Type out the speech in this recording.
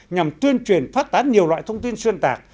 nhằm tuyên truyền phát tán nhiều loại thông tin xuyên tạc